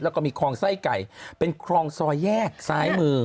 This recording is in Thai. แล้วก็มีคลองไส้ไก่เป็นคลองซอยแยกซ้ายมือ